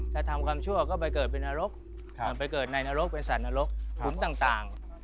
ถ้าทำความชั่วก็ไปเกิดเป็นนรกมันไปเกิดในนรกเป็นสัตว์นรกขุมต่าง